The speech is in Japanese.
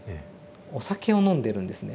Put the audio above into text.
お酒を飲んでるんですね。